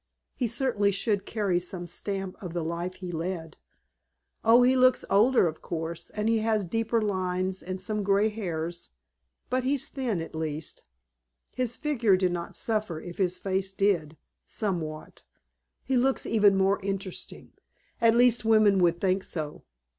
He certainly should carry some stamp of the life he led." "Oh, he looks older, of course, and he has deeper lines and some gray hairs. But he's thin, at least. His figure did not suffer if his face did somewhat. He looks even more interesting at least women would think so.